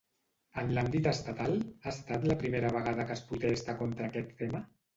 En l'àmbit estatal, ha estat la primera vegada que es protesta contra aquest tema?